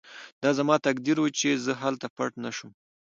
دا زما تقدیر و چې زه هلته پټ نه شوم